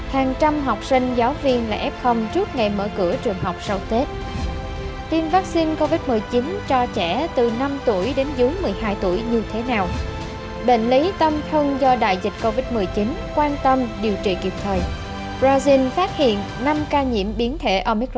hãy đăng ký kênh để ủng hộ kênh của chúng mình nhé